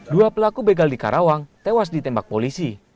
dua pelaku begal di karawang tewas ditembak polisi